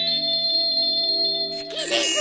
好きです！